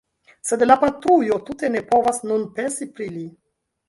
Sed la patrujo tute ne povas nun pensi pri li.